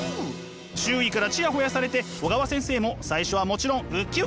周囲からチヤホヤされて小川先生も最初はもちろんウッキウキ！